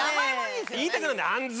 言いたくなるね「安杖！」。